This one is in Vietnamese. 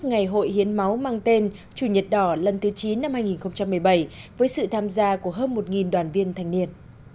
ngày hội hiến máu mang tên chủ nhật đỏ lần thứ chín năm hai nghìn một mươi bảy với sự tham gia của hơn một đoàn viên thanh niên